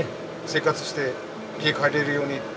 生活して家帰れるように。